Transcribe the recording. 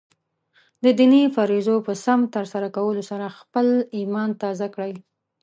د دیني فریضو په سم ترسره کولو سره خپله ایمان تازه کړئ.